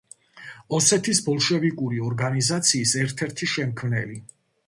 ოსეთის ბოლშევიკური ორგანიზაციის ერთ-ერთი შემქმნელი.